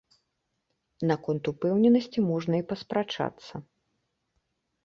Наконт упэўненасці можна і паспрачацца.